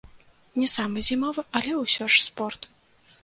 Не самы зімовы, але ўсё ж спорт.